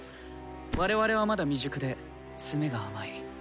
我々はまだ未熟で詰めが甘い。